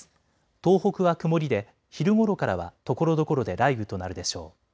東北は曇りで昼ごろからはところどころで雷雨となるでしょう。